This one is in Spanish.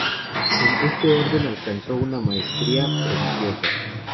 En este orden alcanzó una maestría prodigiosa.